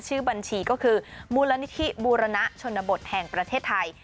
ชื่อบัญชีก็คือมูลนิธิบูรณะชนบทแห่งประเทศไทย